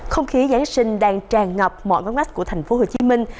không khí giáng sinh đang tràn ngập mọi ngóng mắt của thành phố hồ chí minh